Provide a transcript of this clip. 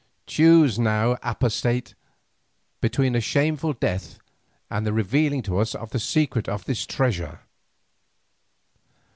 Choose now, apostate, between a shameful death and the revealing to us of the secret of this treasure."